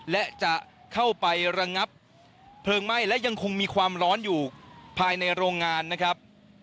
และจะเข้าไประงับเพลิงไหม้และยังคงมีความร้อนอยู่ภายในโรงงานนะครับ